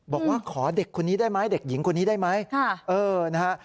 บอกว่าขอเด็กคนนี้ได้ไหมเด็กหญิงคนนี้ได้ไหมนะฮะ